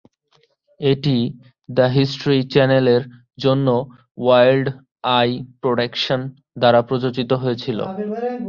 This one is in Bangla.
এটি দ্য হিস্ট্রি চ্যানেলের জন্য ওয়াইল্ড আই প্রোডাকশনস দ্বারা প্রযোজিত হয়েছিল।